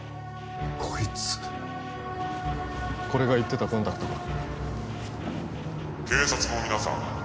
こいつこれが言ってたコンタクトか警察のみなさん